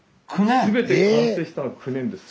全て完成したのは９年です。